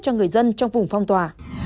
cho người dân trong vùng phong tỏa